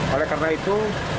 oleh karena itu